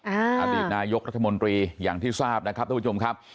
อดีตนายกรัฐมนตรีอย่างที่ทราบนะครับท่านผู้ชมครับ